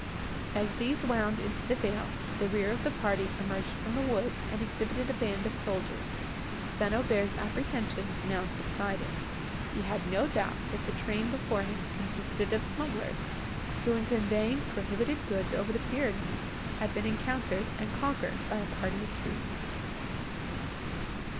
As these wound into the vale, the rear of the party emerged from the woods, and exhibited a band of soldiers. St. Aubert's apprehensions now subsided; he had no doubt that the train before him consisted of smugglers, who, in conveying prohibited goods over the Pyrenees, had been encountered, and conquered by a party of troops.